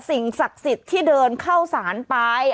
สิ่งศักดิ์สิทธิ์ที่เดินเข้าสารไป